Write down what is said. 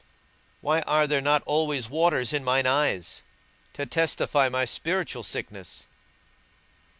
Why are there not always waters in mine eyes, to testify my spiritual sickness?